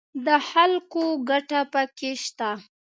د خلکو ګټه پکې شته